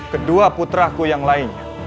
kedua putraku yang lainnya